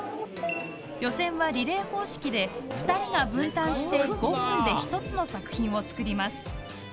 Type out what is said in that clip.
予選はリレー方式で２人が分担して５分で１つの作品を作ります。